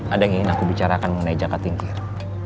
ada yang ingin aku bicarakan mengenai jangkat tingkir